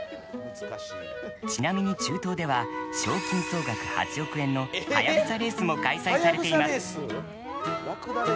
ちなみに、中東では賞金総額８億円のハヤブサレースも開催されています。